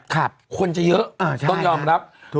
คนจะเยอะต้องยอมรับ